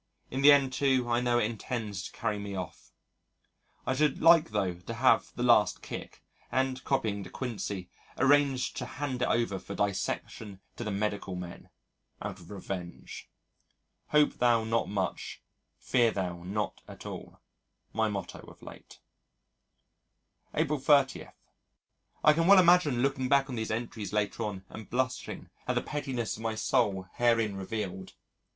In the end, too, I know it intends to carry me off.... I should like though to have the last kick and, copying De Quincey, arrange to hand it over for dissection to the medical men out of revenge. "Hope thou not much; fear thou not at all" my motto of late. April 30. I can well imagine looking back on these entries later on and blushing at the pettiness of my soul herein revealed....